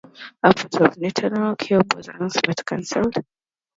A port for the Nintendo GameCube was announced, but cancelled.